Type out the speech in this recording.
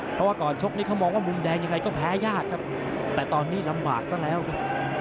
เพราะว่าก่อนชกนี้เขามองว่ามุมแดงยังไงก็แพ้ยากครับแต่ตอนนี้ลำบากซะแล้วครับ